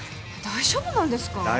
大丈夫なんですか？